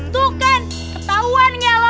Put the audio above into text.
tuh kan ketauan gak lo